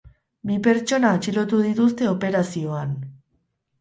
Bi pertsona atxilotu dituzte operazioan.